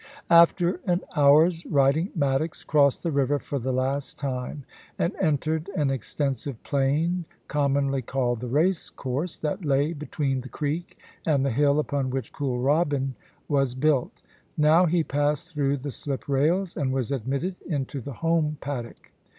After an hour's riding Maddox crossed the river for the last time, and entered an extensive plain, commonly called *the racecourse,' that lay between the creek and the hill upon which Kooralbyn was built Now he passed through the slip rails and was admitted into the home paddock.